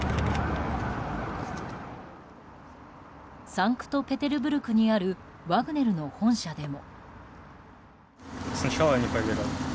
サンクトペテルブルクにあるワグネルの本社でも。